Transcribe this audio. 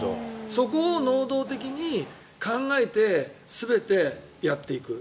そこを能動的に考えて全てやっていく。